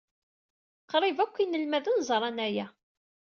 Qrib akk inelmaden ẓran aya.